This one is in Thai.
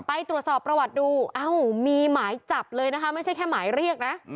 ไปตรวจสอบประวัติดูเอ้ามีหมายจับเลยนะคะไม่ใช่แค่หมายเรียกนะ